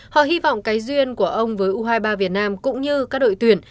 họ hy vọng cái duyên của ông với u hai mươi ba việt nam cũng như các đội tuyển